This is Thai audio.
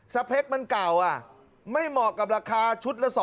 สเปกมันเก่าไม่เหมาะกับราคาชุดละ๒๒๐๐๐บาท